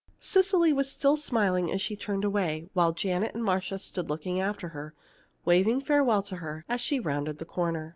Cecily was still smiling as she turned away, while Janet and Marcia stood looking after her, waving farewell to her as she rounded the corner.